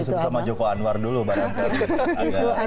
kita harus bersama joko anwar dulu barangkali